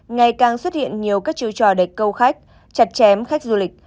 ngày càng xuất hiện nhiều các chiêu trò địch câu khách chặt chém khách du lịch